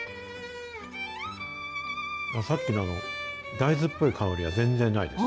さっきの大豆っぽい香りは全然ないです。